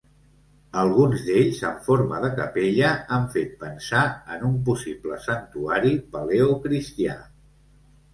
Alguns d'ells, en forma de capella, han fet pensar en un possible santuari paleocristià.